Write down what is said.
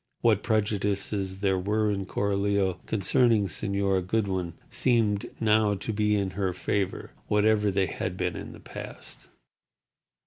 What prejudices there were in Coralio concerning Señora Goodwin seemed now to be in her favour, whatever they had been in the past.